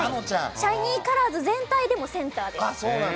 「シャイニーカラーズ」全体でもセンターです。